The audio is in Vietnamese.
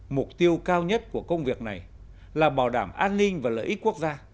mục tiêu cao nhất của công việc này là bảo đảm an ninh và lợi ích quốc gia